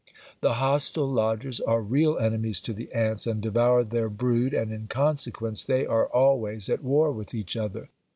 The hostile lodgers are real enemies to the ants and devour their brood, and in consequence they are always at war with each other.